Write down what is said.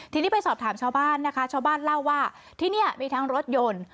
ทีนี้ไปสอบถามชาวบ้านนะคะชาวบ้านเล่าว่าที่นี่มีทั้งรถยนต์